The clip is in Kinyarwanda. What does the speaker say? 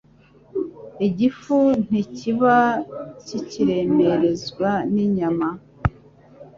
Igifu ntikiba kikiremerezwa n’inyama,